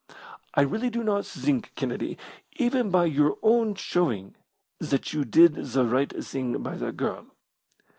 "I really do not think, Kennedy, even by your own showing that you did the right thing by that girl.